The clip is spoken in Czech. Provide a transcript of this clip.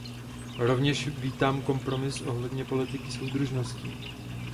Rovněž vítám kompromis ohledně politiky soudržnosti.